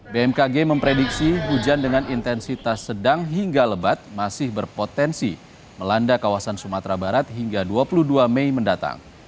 bmkg memprediksi hujan dengan intensitas sedang hingga lebat masih berpotensi melanda kawasan sumatera barat hingga dua puluh dua mei mendatang